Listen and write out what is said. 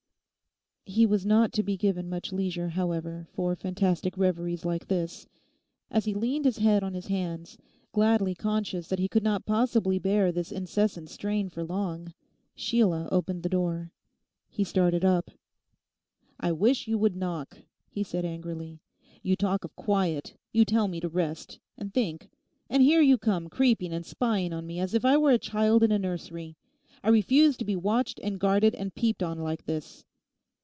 He was not to be given much leisure, however, for fantastic reveries like this. As he leaned his head on his hands, gladly conscious that he could not possibly bear this incessant strain for long, Sheila opened the door. He started up. 'I wish you would knock,' he said angrily; 'you talk of quiet; you tell me to rest, and think; and here you come creeping and spying on me as if I was a child in a nursery. I refuse to be watched and guarded and peeped on like this.